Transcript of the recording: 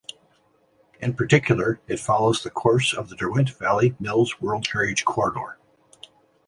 In particular, it follows the course of the Derwent Valley Mills World Heritage corridor.